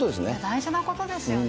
大事なことですよね。